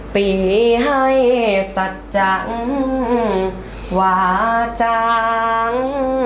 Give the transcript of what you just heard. ปีให้สัจจังหวาจัง